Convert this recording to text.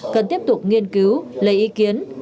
cần tiếp tục nghiên cứu lấy ý kiến